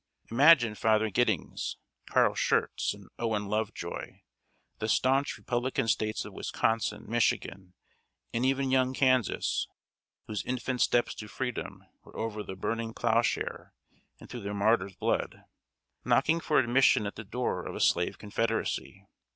Imagine Father Giddings, Carl Schurz, and Owen Lovejoy the stanch Republican States of Wisconsin, Michigan, and even young Kansas whose infant steps to Freedom were over the burning plowshare and through the martyr's blood knocking for admission at the door of a Slave Confederacy!